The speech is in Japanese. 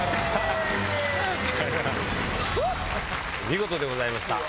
見事でございました。